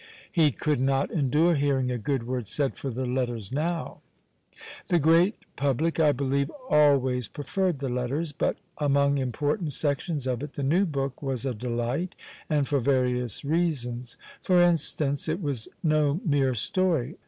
He could not endure hearing a good word said for the "Letters" now. The great public, I believe, always preferred the "Letters," but among important sections of it the new book was a delight, and for various reasons. For instance, it was no mere story.